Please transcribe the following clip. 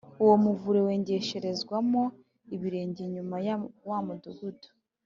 Uwo muvure wengesherezwamo ibirenge inyuma ya wa mudugudu,